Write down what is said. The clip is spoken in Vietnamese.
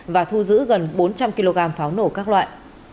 và thu giữ gần bốn trăm linh kg pháo nổ các loại